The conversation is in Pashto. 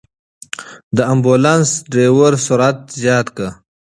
د امبولانس ډرېور سرعت زیات کړ.